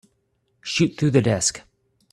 Shoot through the desk.